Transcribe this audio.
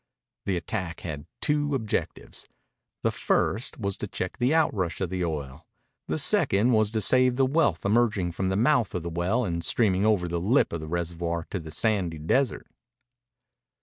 The attack had two objectives. The first was to check the outrush of oil. The second was to save the wealth emerging from the mouth of the well and streaming over the lip of the reservoir to the sandy desert.